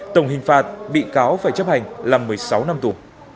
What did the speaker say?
tổng hình phạt bị cáo phải chấp hành là một mươi sáu năm tù